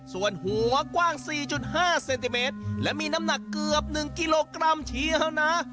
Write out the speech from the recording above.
ส่วนหัวกว้าง๔๕เซนติเมตรและมีน้ำหนักเกือบ๑กิโลกรัมเชียวนะ